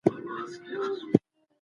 لوستې نجونې د ټولنې ستونزې روښانه کوي.